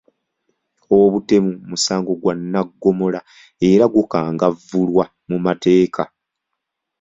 Obutemu musango gwa nnaggomola era gukangavvulwa mu mateeka.